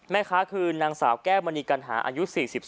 แม่ค้าคือนางสาวแก้วมณีกัณหาอายุ๔๒